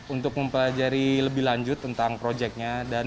untuk mempelajari lebih lanjut tentang proyeknya